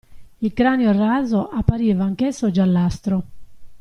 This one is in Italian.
Il cranio raso appariva anch'esso giallastro.